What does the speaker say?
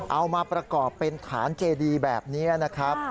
เอามาประกอบเป็นฐานเจดีแบบนี้นะครับ